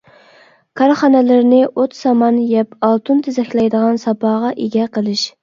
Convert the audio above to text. كارخانىلىرىنى ئوت-سامان يەپ ئالتۇن تېزەكلەيدىغان ساپاغا ئىگە قىلىش.